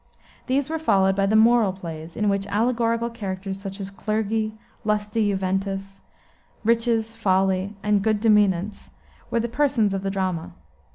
These were followed by the moral plays, in which allegorical characters, such as Clergy, Lusty Juventus, Riches, Folly, and Good Demeanaunce, were the persons of the drama.